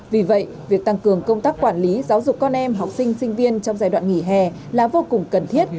vì vậy việc tăng cường công tác quản lý giáo dục con em học sinh sinh viên trong giai đoạn nghỉ hè là vô cùng cần thiết